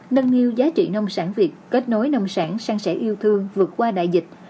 nâng niu giá trị nông sản việt kết nối nông sản sang sẻ yêu thương vượt qua đại dịch